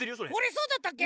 そうだったけ？